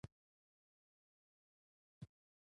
کارپوه یو متخصص کس دی.